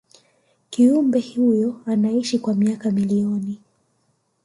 kiumbe huyo ameishi kwa miaka milioni